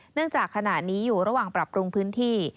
จากขณะนี้อยู่ระหว่างปรับปรุงพื้นที่